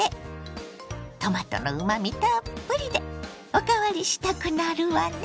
トマトのうまみたっぷりでおかわりしたくなるわね。